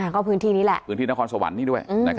ก็พื้นที่นี้แหละพื้นที่นครสวรรค์นี้ด้วย